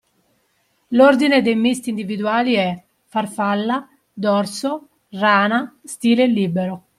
L'ordine dei misti individuali è: farfalla, dorso, rana, stile libero.